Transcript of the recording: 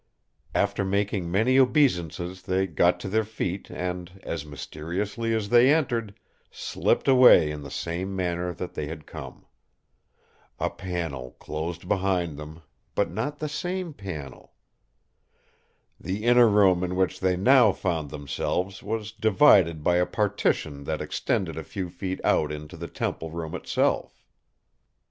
After making many obeisances they got to their feet and, as mysteriously as they entered, slipped away in the same manner that they had come. A panel closed behind them, but not the same panel. The inner room in which they now found themselves was divided by a partition that extended a few feet out into the temple room itself.